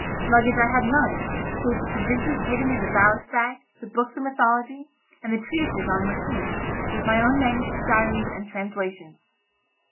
Luggage I had none, save the provisions hidden in the ballast bags, the books of mythology, and the treatises on the machines, with my own manuscript diaries and translations.